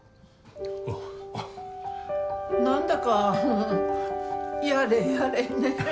おお何だかやれやれね